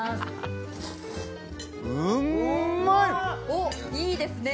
おっいいですね